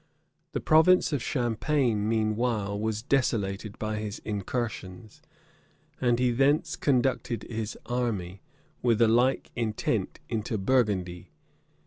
The province of Champagne, meanwhile, was desolated by his incursions; and he thence conducted his army, with a like intent, into Burgundy.